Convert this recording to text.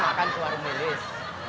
saya mau makan ke warung lilis